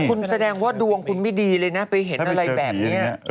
คุณแสดงว่าดวงคุณไม่ดีเลยนะไปเห็นอะไรแบบนี้